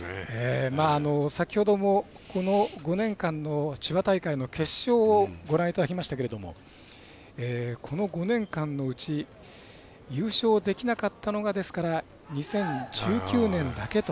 先ほどもこの５年間の千葉大会の決勝をご覧いただきましたけれどこの５年間のうち優勝できなかったのは２０１９年だけと。